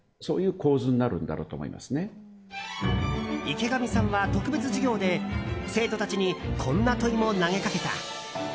池上さんは特別授業で生徒たちにこんな問いも投げかけた。